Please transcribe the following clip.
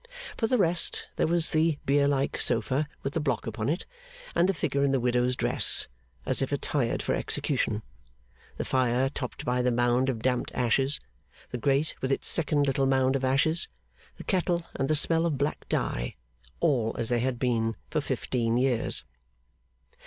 For the rest, there was the bier like sofa with the block upon it, and the figure in the widow's dress, as if attired for execution; the fire topped by the mound of damped ashes; the grate with its second little mound of ashes; the kettle and the smell of black dye; all as they had been for fifteen years.